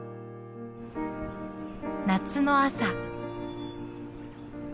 夏の朝。